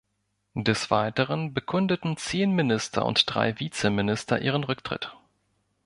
Des Weiteren bekundeten zehn Minister und drei Vizeminister ihren Rücktritt.